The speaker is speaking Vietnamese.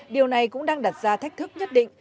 điều này cũng đang đặt ra thách thức nhất định